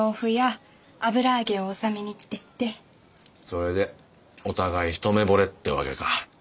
それでお互い一目惚れってわけか。